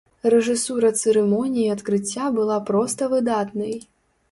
Рэжысура цырымоніі адкрыцця была проста выдатнай.